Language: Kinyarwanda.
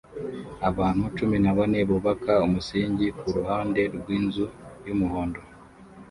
Abantu cumi na bane bubaka umusingi kuruhande rwinzu yumuhondo